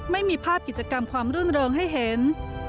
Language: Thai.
ไม่มีภาพกิจกรรมความรื่นเริงให้เห็น